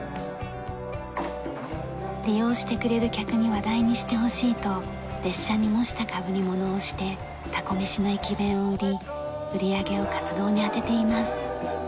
利用してくれる客に話題にしてほしいと列車に模したかぶり物をしてたこめしの駅弁を売り売り上げを活動に充てています。